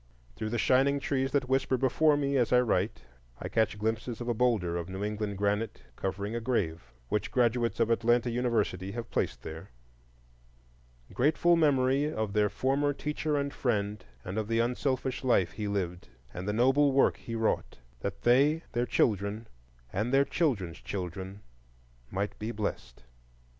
Through the shining trees that whisper before me as I write, I catch glimpses of a boulder of New England granite, covering a grave, which graduates of Atlanta University have placed there,— "IN GRATEFUL MEMORY OF THEIR FORMER TEACHER AND FRIEND AND OF THE UNSELFISH LIFE HE LIVED, AND THE NOBLE WORK HE WROUGHT; THAT THEY, THEIR CHILDREN, AND THEIR CHILDREN'S CHILDREN MIGHT BE BLESSED."